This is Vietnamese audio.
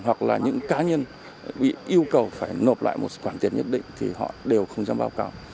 hoặc là những cá nhân bị yêu cầu phải nộp lại một khoản tiền nhất định thì họ đều không dám báo cáo